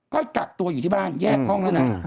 ก็กักตัวอยู่ที่บ้านแยกห้องแล้วนะ